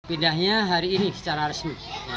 pindahnya hari ini secara resmi